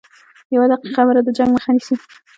یوه دقیقه خبره د جنګ مخه نیسي